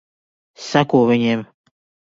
Seko viņiem.